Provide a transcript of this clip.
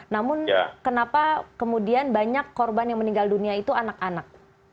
namun kenapa kemudian banyak korban yang meninggal dunia itu anak anak